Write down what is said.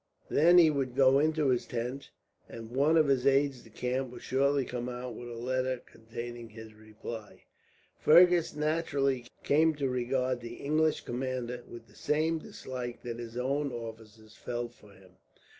Then he would go into his tent, and one of his aides de camp would shortly come out with a letter containing his reply. Fergus naturally came to regard the English commander with the same dislike that his own officers felt for him.